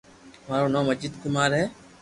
مارو نوم اجيت ڪمار ھي